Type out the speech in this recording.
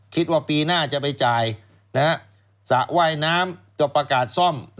คิดว่าปีหน้าจะไปจ่ายสระว่ายน้ำจะประกาศซ่อม